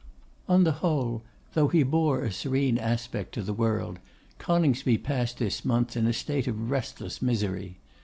On the whole, though he bore a serene aspect to the world, Coningsby passed this month in a state of restless misery.